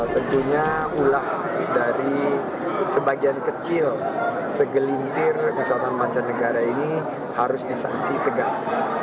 tentunya ulah dari sebagian kecil segelintir wisatawan pancanegara ini harus disaksi tegas